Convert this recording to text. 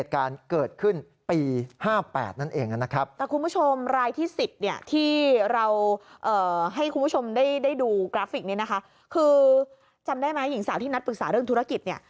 กราฟิกนี้นะคะคือจำได้ไหมหญิงสาวที่นัดปรึกษาเรื่องธุรกิจเนี่ย